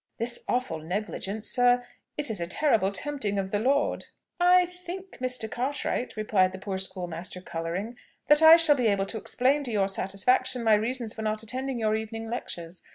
This is awful negligence, sir; it is a terrible tempting of the Lord!" "I think, Mr. Cartwright," replied the poor schoolmaster, colouring, "that I shall be able to explain to your satisfaction my reasons for not attending your evening lectures.